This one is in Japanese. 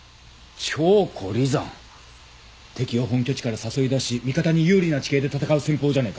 「調虎離山」敵を本拠地から誘い出し味方に有利な地形で戦う戦法じゃねえか。